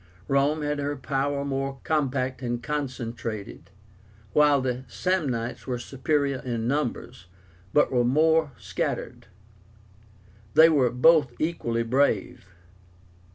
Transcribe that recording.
Rome had her power more compact and concentrated, while the Samnites were superior in numbers, but were more scattered. They were both equally brave.